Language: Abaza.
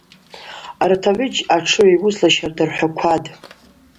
Арат агӏвыджь атшыгӏв йуысла щарда рхӏвакватӏ.